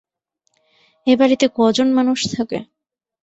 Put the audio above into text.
এ বাড়িতে ক জন মানুষ থাকে?